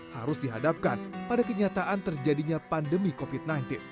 harus dihadapkan pada kenyataan terjadinya pandemi covid sembilan belas